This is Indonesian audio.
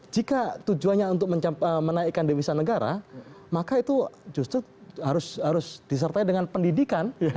jika tujuannya untuk menaikkan devisa negara maka itu justru harus disertai dengan pendidikan